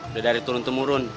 udah dari turun temurun